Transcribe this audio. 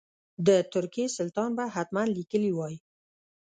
د ترکیې سلطان به حتما لیکلي وای.